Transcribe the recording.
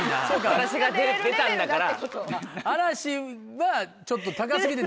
「私が出たんだから」。